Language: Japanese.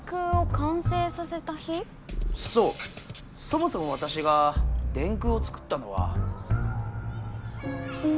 そもそもわたしが電空を作ったのは。